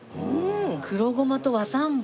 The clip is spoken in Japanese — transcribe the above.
黒胡麻と和三盆。